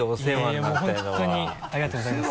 いやいやもう本当にありがとうございます。